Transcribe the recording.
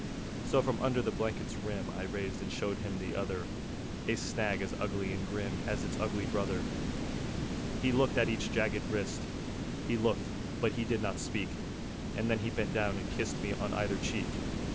So from under the blanket's rim I raised and showed him the other, A snag as ugly and grim As its ugly brother. He looked at each jagged wrist; He looked, but he did not speak; And then he bent down and kissed Me on either cheek.